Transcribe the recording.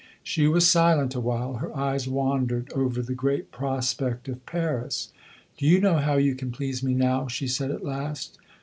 She was silent a while; her eyes wandered over the great prospect of Paris. "Do you know how you can please me now?" she said, at last.